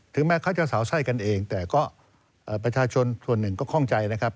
แม้เขาจะสาวไส้กันเองแต่ก็ประชาชนส่วนหนึ่งก็คล่องใจนะครับ